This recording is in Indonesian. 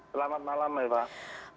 selamat malam mbak